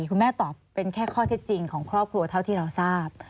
คุณแม่ตอบเป็นแค่ข้อเท็จจริงของครอบครัวเท่าที่เราทราบ